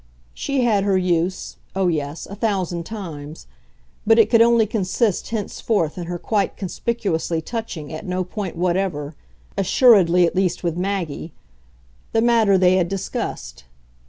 She had her use, oh yes, a thousand times; but it could only consist henceforth in her quite conspicuously touching at no point whatever assuredly, at least with Maggie the matter they had discussed.